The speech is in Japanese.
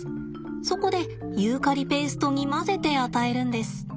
そこでユーカリペーストに混ぜて与えるんです。